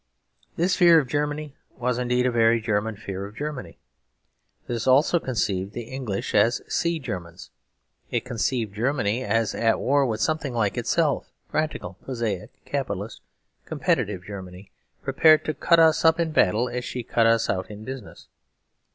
This fear of Germany was indeed a very German fear of Germany. This also conceived the English as Sea Germans. It conceived Germany as at war with something like itself practical, prosaic, capitalist, competitive Germany, prepared to cut us up in battle as she cut us out in business.